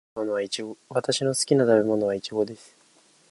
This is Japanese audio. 私の好きな食べ物はイチゴです。